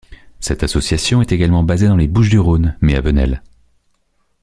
Cette association est également basée dans les Bouches-du-Rhône, mais à Venelles.